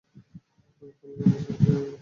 আমি কোন মন্দির সম্পর্কে জানি না।